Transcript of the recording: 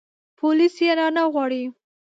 پوليس يې رانه غواړي.